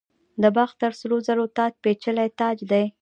د باختر سرو زرو تاج پیچلی تاج دی